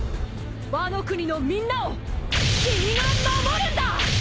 ワノ国のみんなを君が守るんだ！